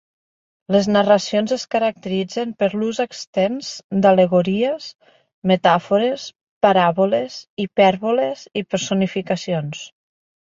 Les narracions es caracteritzen per l'ús extens d'al·legories, metàfores, paràboles, hipèrboles i personificacions.